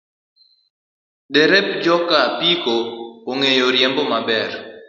Derep joka Biko ong'eyo riembo maber.